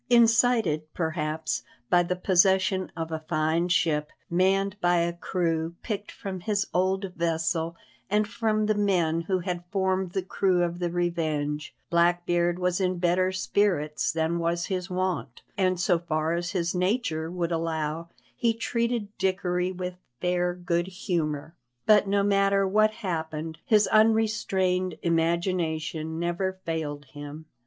Incited, perhaps, by the possession of a fine ship, manned by a crew picked from his old vessel and from the men who had formed the crew of the Revenge, Blackbeard was in better spirits than was his wont, and so far as his nature would allow he treated Dickory with fair good humour. But no matter what happened, his unrestrained imagination never failed him.